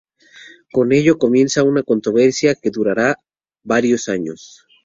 Con ello comienza una controversia que durará varios años.